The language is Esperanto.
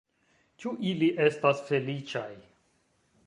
Ĉu ili estas feliĉaj?